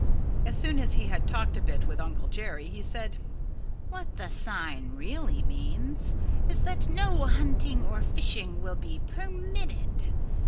As soon as he had talked a bit with Uncle Jerry he said: "What the sign really means is that no hunting or fishing will be permitted.